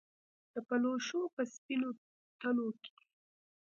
د پلوشو په سپینو تلو کې